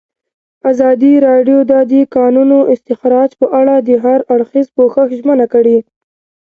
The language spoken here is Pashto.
ازادي راډیو د د کانونو استخراج په اړه د هر اړخیز پوښښ ژمنه کړې.